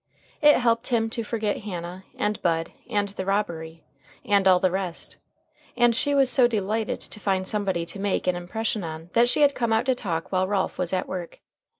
It helped him to forget Hannah, and Bud, and the robbery, and all the rest, and she was so delighted to find somebody to make an impression on that she had come out to talk while Ralph was at work.